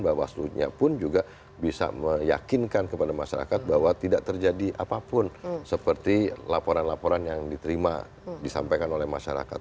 bawaslu nya pun juga bisa meyakinkan kepada masyarakat bahwa tidak terjadi apapun seperti laporan laporan yang diterima disampaikan oleh masyarakat